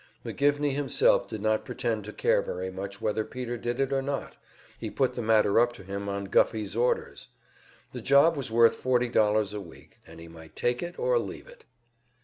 McGivney himself did not pretend to care very much whether Peter did it or not; he put the matter up to him on Guffey's orders. The job was worth forty dollars a week, and he might take it or leave it.